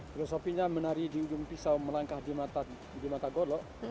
filosofinya menari di ujung pisau melangkah di mata golok